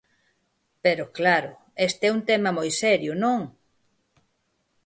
Pero, claro, este é un tema moi serio, ¿non?